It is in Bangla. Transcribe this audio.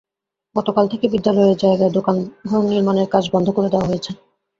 গতকাল থেকে বিদ্যালয়ের জায়গায় দোকানঘর নির্মাণের কাজ বন্ধ করে দেওয়া হয়েছে।